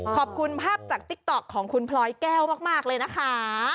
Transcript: ขอบคุณภาพจากติ๊กต๊อกของคุณพลอยแก้วมากเลยนะคะ